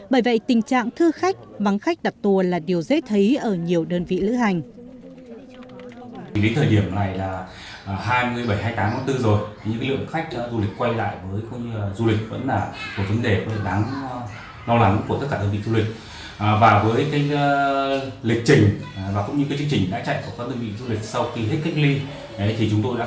bởi vậy tình trạng thư khách vắng khách đặt tour là điều dễ thấy ở nhiều đơn vị lưu hành